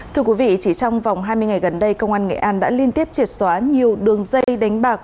thưa quý vị chỉ trong vòng hai mươi ngày gần đây công an nghệ an đã liên tiếp triệt xóa nhiều đường dây đánh bạc